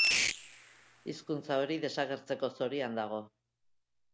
Hizkuntza hori desagertzeko zorian dago.